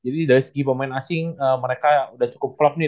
dari out ke dalam tuh